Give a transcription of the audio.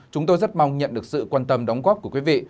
chúng tôi rất mong nhận được sự quan tâm đóng góp của quý vị